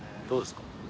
どうですか？